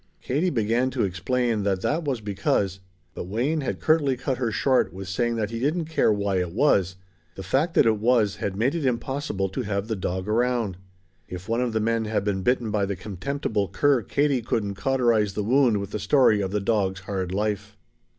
Katie began to explain that that was because but Wayne had curtly cut her short with saying that he didn't care why it was, the fact that it was had made it impossible to have the dog around. If one of the men had been bitten by the contemptible cur Katie couldn't cauterize the wound with the story of the dog's hard life.